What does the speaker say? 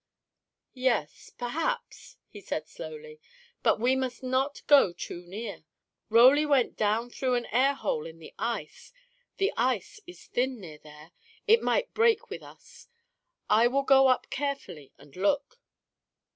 "Yes, perhaps," he said slowly. "But we must not go too near. Roly went down through an air hole in the ice. The ice is thin near there. It might break with us. I will go up carefully and look."